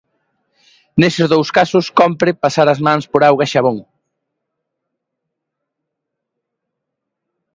Neses dous casos cómpre pasar as mans por auga e xabón.